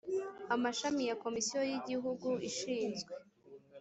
amashami ya komisiyo y igihugu ishinzwe